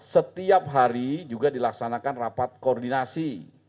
setiap hari juga dilaksanakan rapat koordinasi